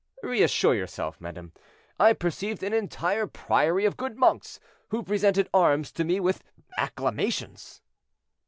"Reassure yourself, madame, I perceived an entire priory of good monks, who presented arms to me with acclamations."